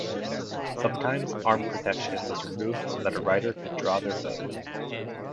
Sometimes arm protection was removed so that a rider could draw their bow.